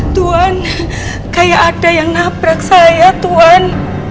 tuhan kayak ada yang nabrak saya tuhan